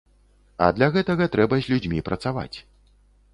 А для гэтага трэба з людзьмі працаваць.